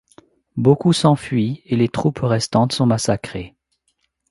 Beaucoup s'enfuient et les troupes restantes sont massacrées.